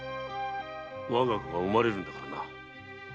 わが子が生まれるのだからな。